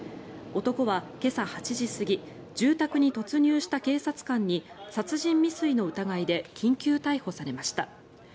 男は、今朝８時過ぎ住宅に突入した警察官に殺人未遂の疑いで緊急逮捕されました。